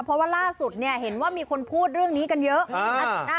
เพราะว่าล่าสุดเนี่ยเห็นว่ามีคนพูดเรื่องนี้กันเยอะ